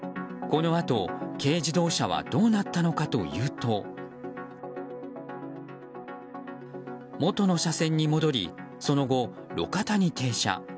このあと、軽自動車はどうなったのかというと元の車線に戻りその後、路肩に停車。